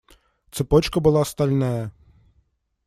Цепочка была стальная.